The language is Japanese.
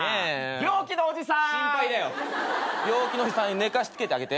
病気のおじさん